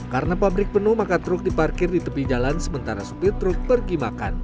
karena pabrik penuh maka truk diparkir di tepi jalan sementara supir truk pergi